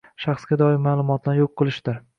shaxsga doir ma’lumotlarni yo‘q qilishdir.